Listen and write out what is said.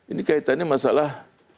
ini kaitannya masalah